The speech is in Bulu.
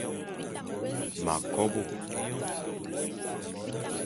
M'akobô.